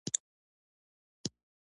• دروغجن سړی تل بې اعتماده وي.